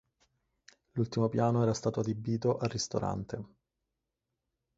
L'ultimo piano era stato adibito a ristorante.